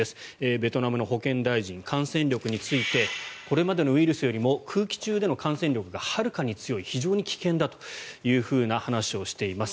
ベトナムの保健大臣感染力についてこれまでのウイルスよりも空気中での感染力がはるかに強い非常に危険だという話をしています。